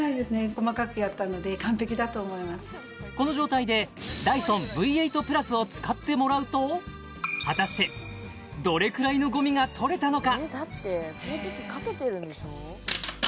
細かくやったのでこの状態でダイソンＶ８プラスを使ってもらうと果たしてどれくらいのゴミが取れたのか？